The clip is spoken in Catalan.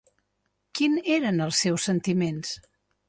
Quin eren els seus sentiments?